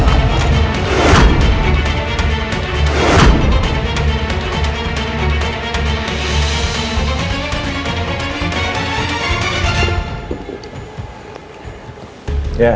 tidak ada apa apa